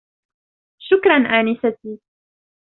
شكرا انستي.